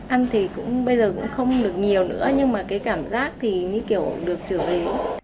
ăn thì cũng bây giờ cũng không được nhiều nữa nhưng mà cái cảm giác thì như kiểu được trở về